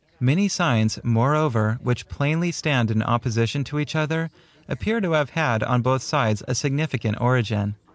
Many signs, moreover, which plainly stand in opposition to each other, appear to have had on both sides a significant origin.